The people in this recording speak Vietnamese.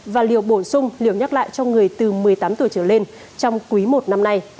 và liều bổ sung liều nhắc lại cho người từ một mươi tám tuổi trở lên trong quý i năm nay